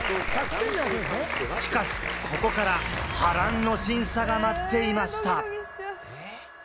しかし、ここから波乱の審査が待っていました。